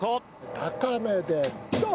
高めでドン！